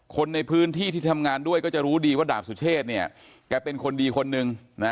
คนในพื้นที่ที่ทำงานด้วยก็จะรู้ดีว่าดาบสุเชษเนี่ยแกเป็นคนดีคนนึงนะ